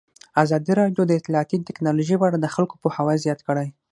ازادي راډیو د اطلاعاتی تکنالوژي په اړه د خلکو پوهاوی زیات کړی.